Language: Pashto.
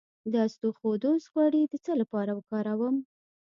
د اسطوخودوس غوړي د څه لپاره وکاروم؟